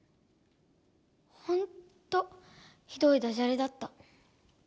ほんとひどいダジャレだった。